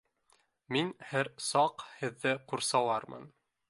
Мин һәр саҡ һеҙҙе ҡурсалармын.